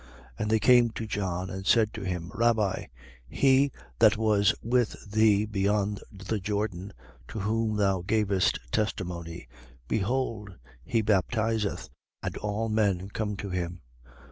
3:26. And they came to John and said to him: Rabbi, he that was with thee beyond the Jordan, to whom thou gavest testimony: behold, he baptizeth and all men come to him.